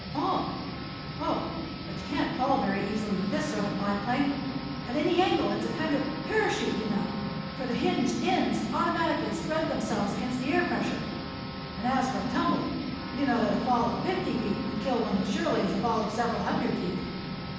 "Fall? Oh, but you can't fall very easily with this sort of a biplane. At any angle it's a kind of a parachute, you know, for the hinged ends automatically spread themselves against the air pressure. And as for a tumble, you know that a fall of fifty feet would kill one as surely as a fall of several hundred feet.